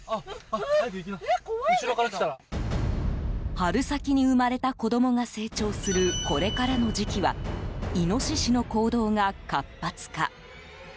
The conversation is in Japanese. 春先に生まれた子供が成長するこれからの時期はイノシシの行動が活発化。